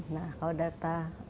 nah kalau data